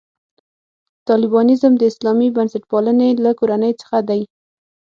طالبانیزم د اسلامي بنسټپالنې له کورنۍ څخه دی.